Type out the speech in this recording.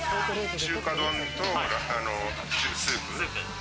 中華丼とスープ。